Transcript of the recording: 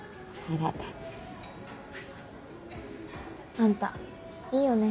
あんたいいよね。